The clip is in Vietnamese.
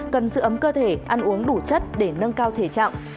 cần giữ ấm cơ thể ăn uống đủ chất để nâng cao thể trạng